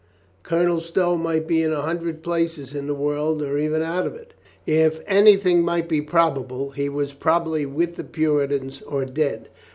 Colonel Stow rfiight be in .a hundred places in the world or even out of it. If anything might be prob able, he was probably with the Puritans or dead.